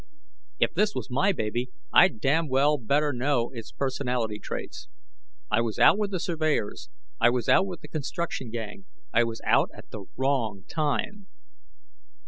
If this was my baby, I'd damned well better know its personality traits. I was out with the surveyors, I was out with the construction gang, I was out at the wrong time.